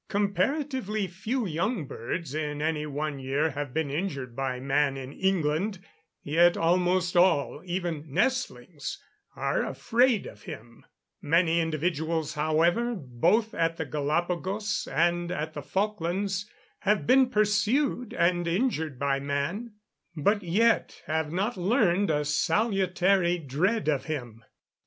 Comparatively few young birds in any one year have been injured by man in England, yet almost all, even nestlings, are afraid of him; many individuals, however, both at the Galapagos and at the Falklands, have been pursued and injured by man, but yet have not learned a salutary dread of him."